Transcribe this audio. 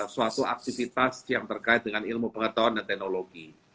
suatu aktivitas yang terkait dengan ilmu pengetahuan dan teknologi